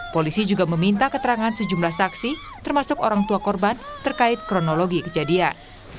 polisi juga meminta keterangan sejumlah saksi termasuk orang tua korban terkait kronologi kejadian